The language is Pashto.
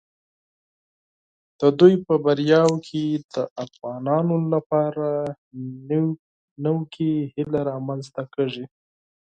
د دوی په بریاوو کې د افغانانو لپاره نوې هیله رامنځته کیږي.